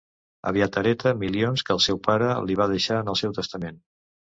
Aviat hereta milions que el seu pare li va deixar en el seu testament.